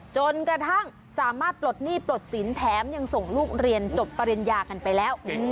จนกระทั่งสามารถปลดหนี้ปลดสินแถมยังส่งลูกเรียนจบปริญญากันไปแล้ว